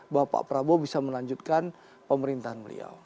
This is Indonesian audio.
bahwa pak prabowo bisa melanjutkan pemerintahan beliau